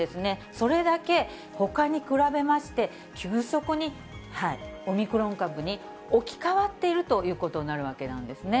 それだけ、ほかに比べまして、急速にオミクロン株に置き換わっているということになるわけなんですね。